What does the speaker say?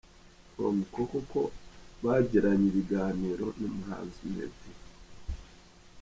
com ko koko bagiranye ibiganiro n’umuhanzi Meddy.